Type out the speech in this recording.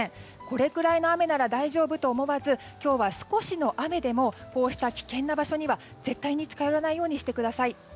これぐらいの雨なら大丈夫と思わず今日は少しの雨でもこうした危険な場所には絶対に近寄らないようにしてください。